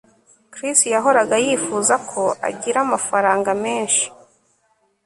Chris yahoraga yifuza ko agira amafaranga menshi